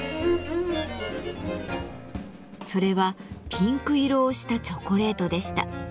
それはピンク色をしたチョコレートでした。